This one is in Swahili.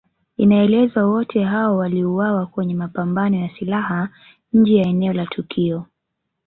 Inaelezwa wote hao waliuawa kwenye mapambano ya silaha nje ya eneo la tukio